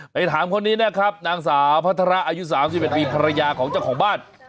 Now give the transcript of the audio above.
ไปถามคนนี้นะครับนางสาวพัฒระอายุ๓๑ปีภรรยาของเจ้าของบ้าน